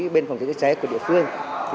bên phòng cháy chữa cháy của địa phương